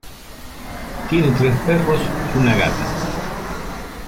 Tiene tres perros y una gata.